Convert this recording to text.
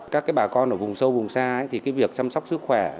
các bà con ở vùng sâu vùng xa thì cái việc chăm sóc sức khỏe